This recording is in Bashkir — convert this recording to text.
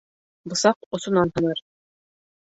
Бысаҡ осонан һыныр.